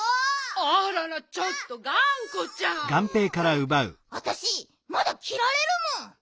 あららちょっとがんこちゃん！あたしまだきられるもん！